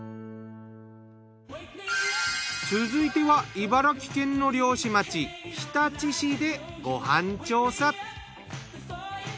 続いては茨城県の漁師町日立市でご飯調査。